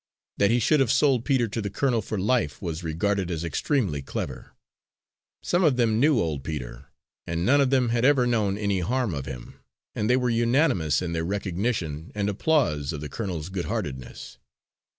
That he should have sold Peter to the colonel for life was regarded as extremely clever. Some of them knew old Peter, and none of them had ever known any harm of him, and they were unanimous in their recognition and applause of the colonel's goodheartedness.